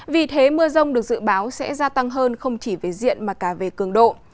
vì thế mưa rông được dự báo sẽ gia tăng hơn không chỉ về diện mà cả về cường độ